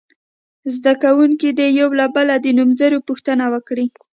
زده کوونکي دې یو له بله د نومځرو پوښتنې وکړي.